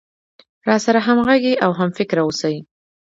راسره همغږى او هم فکره اوسي.